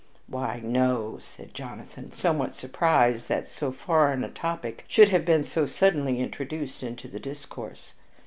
"Why, no," said Jonathan, somewhat surprised that so foreign a topic should have been so suddenly introduced into the discourse.